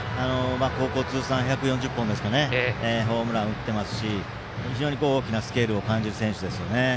高校通算１４０本のホームランを打ってますし非常に大きなスケールを感じる選手ですよね。